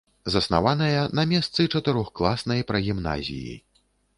Заснаваная на месцы чатырохкласнай прагімназіі.